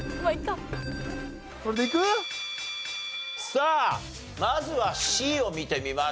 さあまずはＣを見てみましょう。